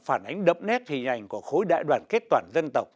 phản ánh đậm nét hình ảnh của khối đại đoàn kết toàn dân tộc